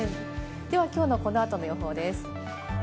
では今日のこの後の予報です。